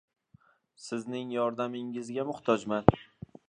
Sizning yordamingizga muhtojman.